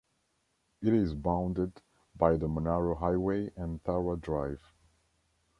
It is bounded by the Monaro Highway and Tharwa drive.